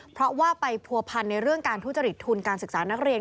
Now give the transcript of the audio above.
เพราะว่าไปผัวพันในเรื่องการทุจริตทุนการศึกษานักเรียน